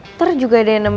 ntar lo juga tau